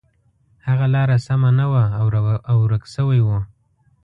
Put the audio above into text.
هغه لاره سمه نه وه او ورک شوی و.